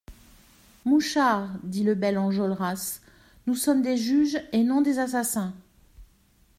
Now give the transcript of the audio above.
Mouchard, dit le bel Enjolras, nous sommes des juges et non des assassins.